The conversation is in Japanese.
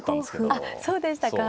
あそうでしたか。